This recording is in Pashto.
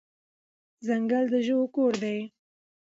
ځنګل د ژوو کور دی.